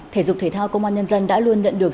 thể dục thể thao công an nhân dân đã luôn nhận được